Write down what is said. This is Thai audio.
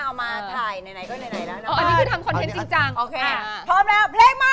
เอามาถ่ายไหนก็ไหนแล้วนะ